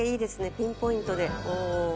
ピンポイントで。